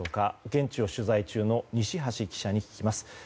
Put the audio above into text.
現地を取材中の西橋記者に聞きます。